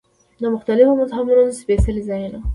د مختلفو مذهبونو سپېڅلي ځایونه.